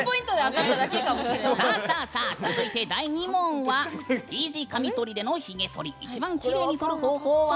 続いて、第２問はＴ字カミソリでのひげ剃り一番きれいに剃る方法は？